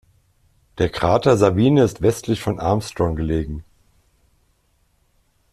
Der Krater Sabine ist westlich von Armstrong gelegen.